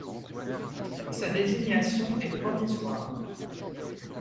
Sa désignation est provisoire.